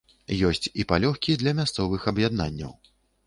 Ёсць і палёгкі для мясцовых аб'яднанняў.